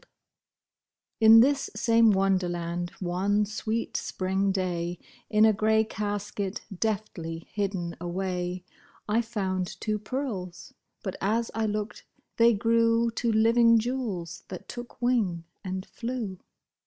374 MY WONDERLAND In this same Wonderland, one sweet spring day, In a gray casket, deftly hidden away, I found two pearls ; but as I looked they grew To living jewels, that took wing and flew.